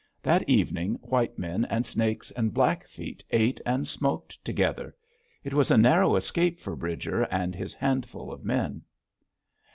That evening white men and Snakes and Blackfeet ate and smoked together! It was a narrow escape for Bridger and his handful of men.